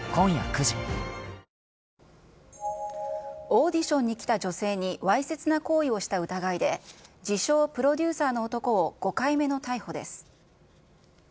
オーディションに来た女性にわいせつな行為をした疑いで、自称プロデューサーの男を５回目の逮捕です。